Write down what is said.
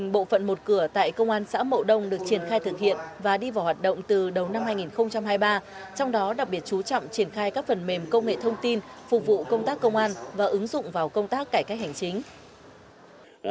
một trăm bộ phận một cửa tại công an xã mậu đông được triển khai thực hiện và đi vào hoạt động từ đầu năm hai nghìn hai mươi ba trong đó đặc biệt chú trọng triển khai các phần mềm công nghệ thông tin phục vụ công tác công an và ứng dụng vào công tác cải cách hành chính